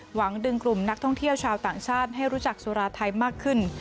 หวังดึงกลุ่มนักท่องเที่ยวชาวต่างชาติให้รู้จักสุราไทยมากขึ้น